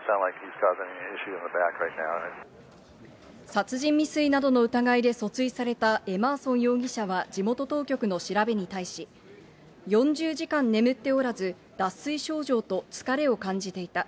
殺人未遂などの疑いで訴追されたエマーソン容疑者は地元当局の調べに対し、４０時間眠っておらず、脱水症状と疲れを感じていた。